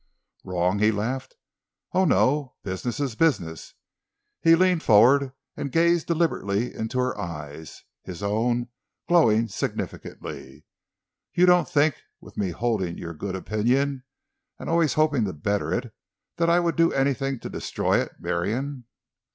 "Wrong?" he laughed. "Oh, no! Business is business." He leaned forward and gazed deliberately into her eyes, his own glowing significantly. "You don't think, with me holding your good opinion—and always hoping to better it—that I would do anything to destroy it, Marion?"